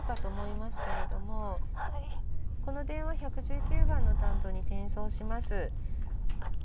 この電話１１９番の担当者に転送します。